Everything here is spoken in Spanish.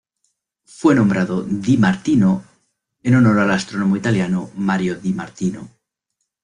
Fue nombrado Di Martino en honor al astrónomo italiano Mario Di Martino.